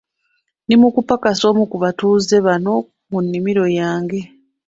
Ndi mu kupakasa omu ku batuuze bano munimiro yange.